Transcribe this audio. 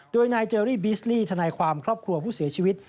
โดยนายเจอรี่บิสลี่ทนายความครอบครัวผู้เสียชีวิต